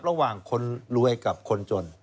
ระหว่างคนรวยกับคนจน